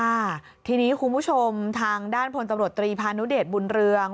ค่ะทีนี้คุณผู้ชมทางด้านพลตำรวจตรีพานุเดชบุญเรือง